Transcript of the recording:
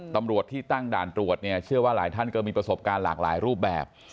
ตำรวจที่ตั้งด่านตรวจเนี่ยเชื่อว่าหลายท่านก็มีประสบการณ์หลากหลายรูปแบบ